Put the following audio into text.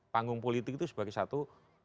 panggung politik itu sebagai satu